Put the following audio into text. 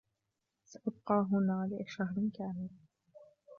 سأبقى هنا لشهر كامل.